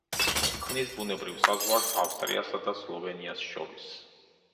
ქმნის ბუნებრივ საზღვარს ავსტრიასა და სლოვენიას შორის.